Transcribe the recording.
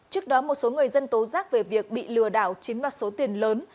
trước đó một số người dân tố giác về việc bị lừa đảo chiếm đoạt số tiền lớn